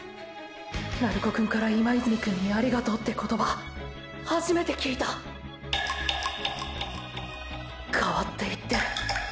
鳴子くんから今泉くんにありがとうって言葉初めて聞いた変わっていってる。